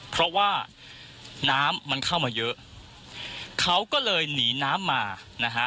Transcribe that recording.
เพราะว่าน้ำมันเข้ามาเยอะเขาก็เลยหนีน้ำมานะฮะ